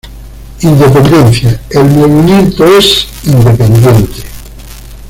Independencia: El Movimiento es independiente.